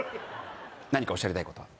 何かおっしゃりたいことは？